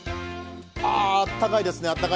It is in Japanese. あったかいですね。